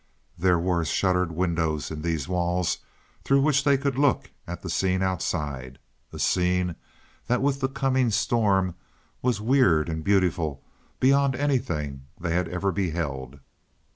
There were shuttered windows in these walls, through which they could look at the scene outside a scene that with the coming storm was weird and beautiful beyond anything they had ever beheld.